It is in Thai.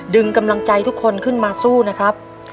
ดึงกำลังใจทุกคนขึ้นมาสู้นะครับ